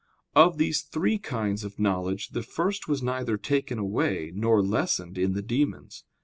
Of these three kinds of knowledge the first was neither taken away nor lessened in the demons.